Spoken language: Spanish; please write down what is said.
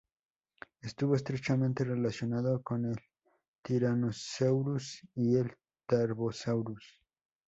Estuvo estrechamente relacionado con el "Tyrannosaurus" y el "Tarbosaurus".